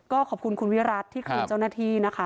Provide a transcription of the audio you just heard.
ก็ขอบคุณคุณวิรัติที่คืนเจ้าหน้าที่นะคะ